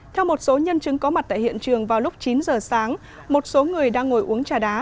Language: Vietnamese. theo một số nhân chứng có mặt tại hiện trường vào lúc chín giờ sáng một số người đang ngồi uống trà đá